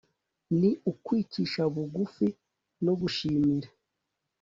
ni ukwicisha bugufi no gushimira